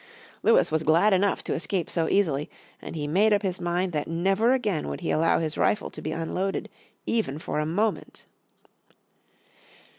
Lewis was glad enough to escape so easily, and he made up his mind that never again would he allow his rifle to be unloaded even for a moment.